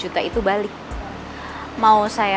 to lima belas tahun